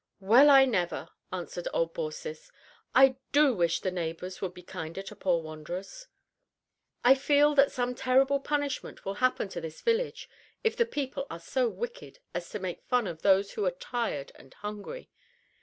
"Well, I never," answered old Baucis. "I do wish the neighbors would be kinder to poor wanderers; I feel that some terrible punishment will happen to this village if the people are so wicked as to make fun of those who are tired and hungry.